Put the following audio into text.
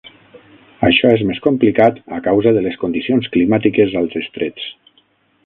Això és més complicat a causa de les condicions climàtiques als estrets.